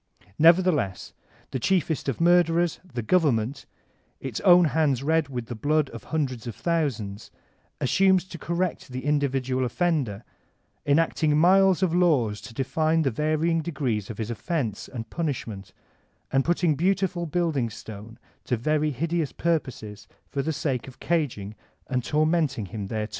Nevertheless, thw cliiefest of murderers, the Government, its own hands red with the bkxxl of hundreds of thousands, assumes to correct the individual offender, enacting miles of laws to define the varying degrees of his offense and punish* ment, and putting beautiful building stone to very hideous purposes for the sake of caging and tormentiqg him thereto.